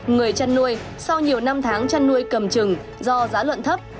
người chăn nuôi sau nhiều năm tháng chăn nuôi cầm trừng do giá lợn thấp